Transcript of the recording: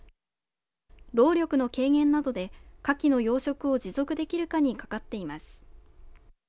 労力の軽減などでカキの養殖を持続できるかにかかっています。